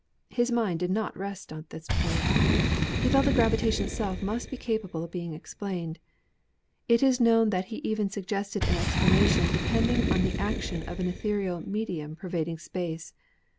His mind did not rest at this point. He felt that gravitation itself must be capable of being explained. It is known that he even suggested an explanation de pending on the action of an ethereal medium pervading space.